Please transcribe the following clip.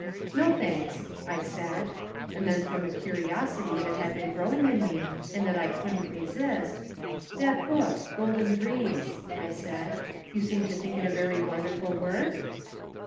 "No, thanks," I said. And then from a curiosity that had been growing in me and that I couldn't resist, "That book Golden Dreams," I said, "you seem to think it a very wonderful work?"